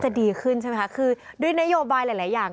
ดีขึ้นใช่ไหมคะคือด้วยนโยบายหลายหลายอย่าง